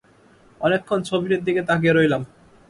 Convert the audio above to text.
অনেকক্ষণ ছবিটির দিকে তাকিয়ে রইলাম!